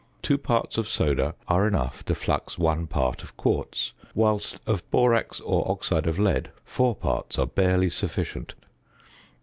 Two parts of soda are enough to flux 1 part of quartz; whilst of borax, or oxide of lead, 4 parts are barely sufficient.